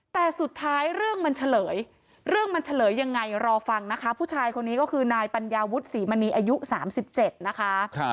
แต่สุดท้ายเรื่องมันเฉลยเรื่องมันเฉลยยังไงรอฟังนะคะผู้ชายคนนี้ก็คือนายปัญญาวุฒิศรีมณีอายุ๓๗นะคะ